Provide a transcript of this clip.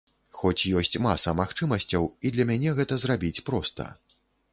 Хоць ёсць маса магчымасцяў і для мяне гэта зрабіць проста.